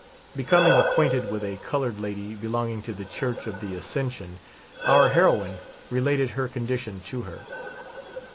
Becoming acquainted with a colored lady be longing to the Church of the Asscension, our heroine re h\ted her condition to her.